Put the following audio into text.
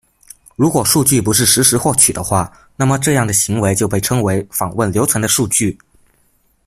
如果数据不是实时获取的话，那么这样的行为就被称为“访问留存的数据”。